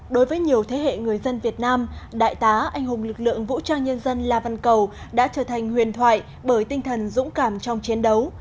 đối với nhiều thế hệ người dân việt nam đại tá anh hùng lực lượng vũ trang nhân dân la văn cầu đã trở thành huyền thoại bởi tinh thần dũng cảm trong chiến đấu